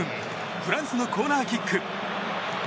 フランスのコーナーキック。